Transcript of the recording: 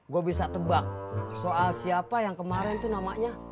gue bisa tebak soal siapa yang kemarin itu namanya